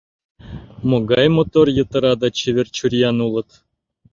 Могай мотор, йытыра да чевер чуриян улыт.